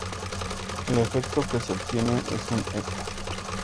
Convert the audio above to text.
El efecto que se obtiene es un eco.